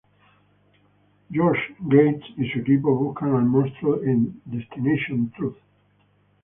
Josh Gates y su equipo buscan al monstruo en "Destination Truth.